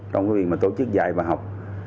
trong cái việc mà tổ chức dạy và học